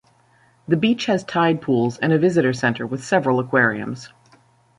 The beach has tide pools and a visitor center with several aquariums.